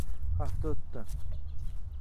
Hafta o’tdi.